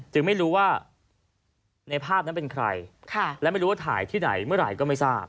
ไม่รู้ว่าในภาพนั้นเป็นใครและไม่รู้ว่าถ่ายที่ไหนเมื่อไหร่ก็ไม่ทราบ